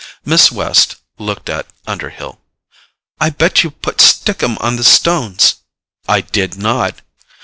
Miss West looked at Underhill. "I bet you've put stickum on the stones." "I did not!"